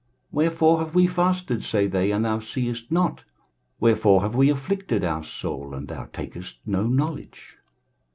23:058:003 Wherefore have we fasted, say they, and thou seest not? wherefore have we afflicted our soul, and thou takest no knowledge?